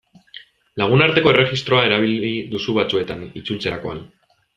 Lagunarteko erregistroa erabili duzu batzuetan, itzultzerakoan.